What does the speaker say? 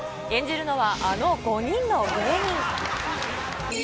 演じるのはあの５人の芸人。